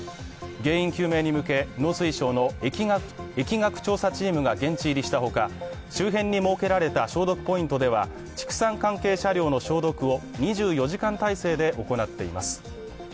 原因究明に向け農水省の疫学調査チームが現地入りした他、周辺に設けられた消毒ポイントでは畜産関係車両の消毒を２４時間体制で行っています。